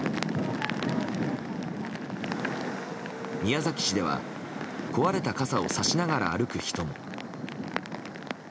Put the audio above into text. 宮崎市では壊れた傘をさしながら歩く人も。